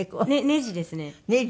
ねじですね。